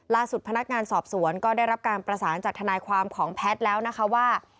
พนักงานสอบสวนก็ได้รับการประสานจากทนายความของแพทย์แล้วนะคะว่า